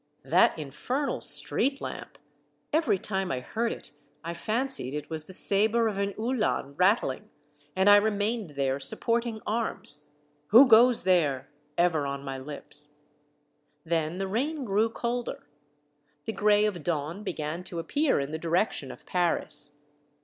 That infernal street lamp ! Every time I heard it I fancied it was the sabre of an Uhlan rattling, and I remained there, supporting arms, — "Who goes there?" ever on my lips. Then the rain grew colder. The gray of dawn began to appear in the direction of Paris.